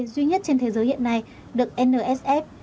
duy nhất trên thế giới hiện nay được nsf